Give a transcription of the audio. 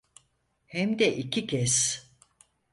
Hem de iki kez.